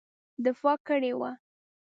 دفاع کړې وه.